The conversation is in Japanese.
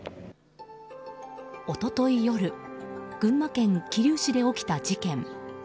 一昨日夜群馬県桐生市で起きた事件。